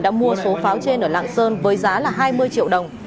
đã mua số pháo trên ở lạng sơn với giá là hai mươi triệu đồng